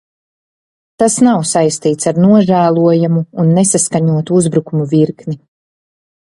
Tas nav saistīts ar nožēlojamu un nesaskaņotu uzbrukumu virkni.